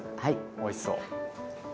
おいしそう。